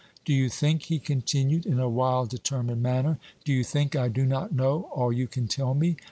Do you think," he continued, in a wild, determined manner "do you think I do not know all you can tell me?